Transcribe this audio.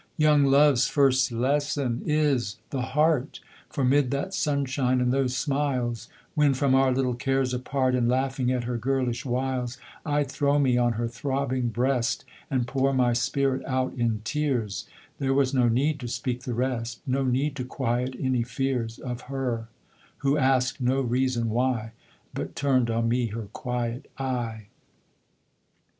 Young Love's first lesson is the heart: For 'mid that sunshine, and those smiles, When, from our little cares apart, And laughing at her girlish wiles, I'd throw me on her throbbing breast, And pour my spirit out in tears There was no need to speak the rest No need to quiet any fears Of her who ask'd no reason why, But turned on me her quiet eye!